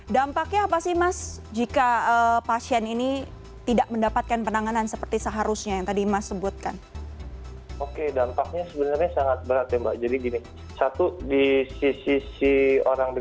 dampaknya apa sih mas jika pasien ini tidak mendapatkan penampilan